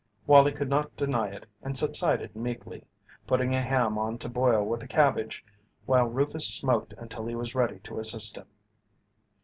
Wallie could not deny it and subsided meekly, putting a ham on to boil with a cabbage while Rufus smoked until he was ready to assist him.